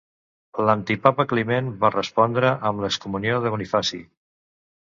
L'antipapa Climent va respondre amb l'excomunió de Bonifaci.